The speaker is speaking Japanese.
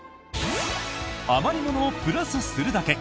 余りものをプラスするだけ！